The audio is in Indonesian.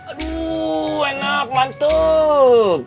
aduh enak mantep